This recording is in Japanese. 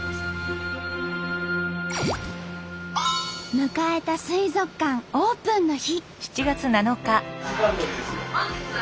迎えた水族館オープンの日。